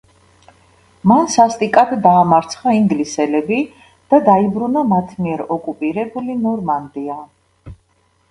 მან სასტიკად დაამარცხა ინგლისელები და დაიბრუნა მათ მიერ ოკუპირებული ნორმანდია.